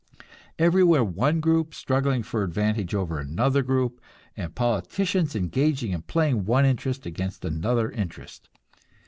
Everywhere one group struggling for advantage over another group, and politicians engaged in playing one interest against another interest!